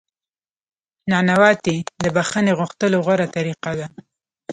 نانواتې د بخښنې غوښتلو غوره طریقه ده.